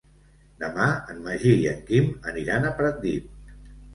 Demà en Magí i en Quim aniran a Pratdip.